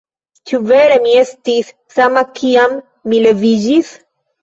Ĉu vere mi estis sama kiam mi leviĝis?